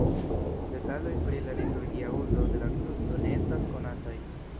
Detaloj pri la liturgia uzo de la kruco ne estas konataj.